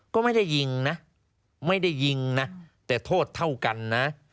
ก็ไม่ได้ยิงนะไม่ได้ยิงนะแต่โทษเท่ากันนะ